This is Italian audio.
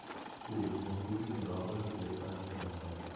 Fu il primo tour in Europa di questa nazionale.